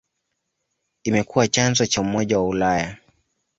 Imekuwa chanzo cha Umoja wa Ulaya.